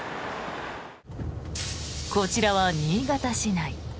こちらは新潟市内。